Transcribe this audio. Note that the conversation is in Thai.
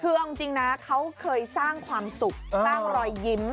คือเอาจริงนะเขาเคยสร้างความสุขสร้างรอยยิ้ม